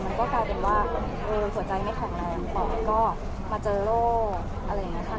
มันก็กลายเป็นว่าหัวใจไม่แข็งแรงปอดก็มาเจอโรคอะไรอย่างนี้ค่ะ